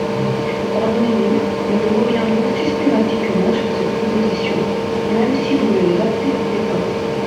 Pardonnez-nous, mais nous reviendrons systématiquement sur ces propositions, même si vous ne les acceptez pas.